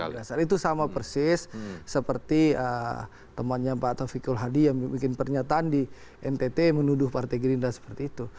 itu sama persis seperti temannya pak taufikul hadi yang bikin pernyataan di ntt menuduh partai gerindra seperti itu